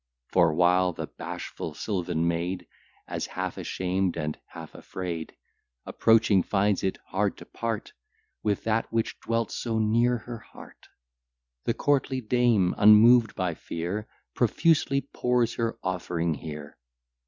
For, while the bashful sylvan maid, As half ashamed and half afraid, Approaching finds it hard to part With that which dwelt so near her heart; The courtly dame, unmoved by fear, Profusely pours her offering here.